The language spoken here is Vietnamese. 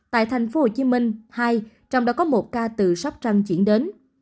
tại thành phố hồ chí minh hai trong đó có một ca tử sắp trăng chuyển đến